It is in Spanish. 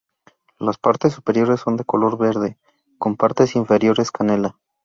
Las partes superiores son de color verde, con partes inferiores canela.